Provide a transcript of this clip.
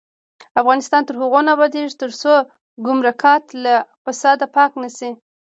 افغانستان تر هغو نه ابادیږي، ترڅو ګمرکات له فساده پاک نشي.